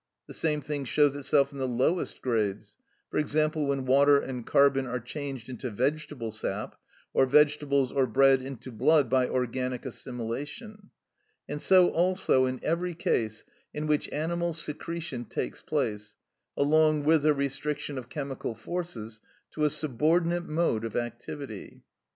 The same thing shows itself in the lowest grades; for example, when water and carbon are changed into vegetable sap, or vegetables or bread into blood by organic assimilation; and so also in every case in which animal secretion takes place, along with the restriction of chemical forces to a subordinate mode of activity.